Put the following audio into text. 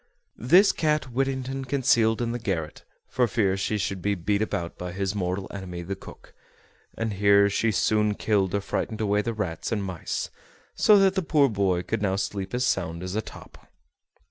This cat Whittington concealed in the garret, for fear she should be beat about by his mortal enemy the cook, and here she soon killed or frightened away the rats and mice, so that the poor boy could now sleep as sound as a top.